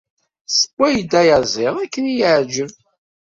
Tessewway-d ayaziḍ akken i y-iɛǧeb.